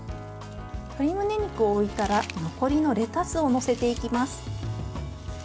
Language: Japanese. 鶏むね肉を置いたら残りのレタスを載せていきます。